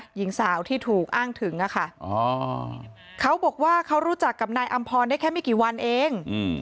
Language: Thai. หญิงสาวที่ถูกอ้างถึงอะค่ะเขาบอกว่าเขารู้จักกับนายอำพรได้แค่ไม่กี่วันเอง